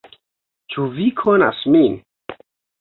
"Ĉu vi konas min?"